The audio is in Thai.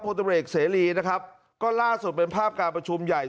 ตำรวจเอกเสรีนะครับก็ล่าสุดเป็นภาพการประชุมใหญ่